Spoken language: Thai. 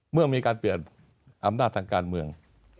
เมื่อมีการเปลี่ยนอำนาจทางการเมือง